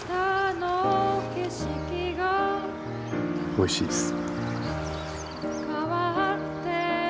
おいしいっす。